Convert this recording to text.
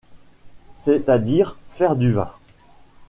C'est-à-dire faire du vin.